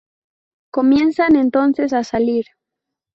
Comienzan entonces a salir.